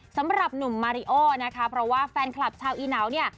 สำหรับหนุ่มมาริโอนะคะเพราะว่าแฟนคลับชาวอีเหนาเนี่ย